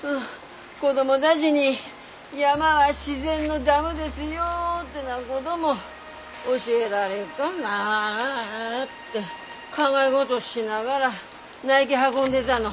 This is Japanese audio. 子供だぢに山は自然のダムですよってなごども教えられっかなって考えごどしながら苗木運んでだの。